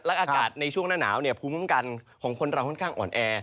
และในช่วงน้ำหนาวเนี่ยภูมิมัสมกันของคนเราค่อนข้างอ่อนแอ